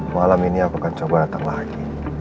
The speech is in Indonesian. malam ini aku akan coba datang lagi